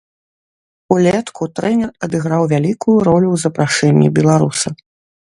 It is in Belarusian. Улетку трэнер адыграў вялікую ролю ў запрашэнні беларуса.